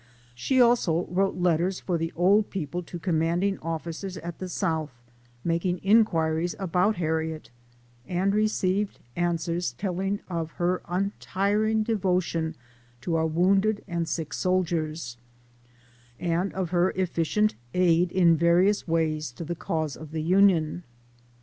She also wrote letters for the old people to commanding officers at the South, mak ing inquiries about Harriet, and received answers telling of her untiring devotion to our wounded and sick soldiers, and of her efficient aid in various ways to the cause of the Union.